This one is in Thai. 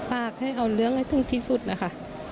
ฝากให้เอาเรื่องถึงที่สุดค่ะ